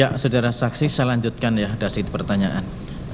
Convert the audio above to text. ya sedara saksi saya lanjutkan ya dari situ pertanyaan